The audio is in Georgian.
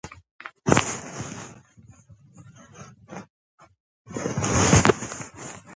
თუმცა, მაჰმადიანი ლიდერების ჯარისკაცებმა სერიოზული ზიანი მიაყენეს ფერმებსა და სოფლებს.